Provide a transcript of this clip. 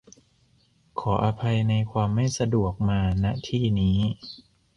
ขออภัยในความไม่สะดวกมา ณ ที่นี้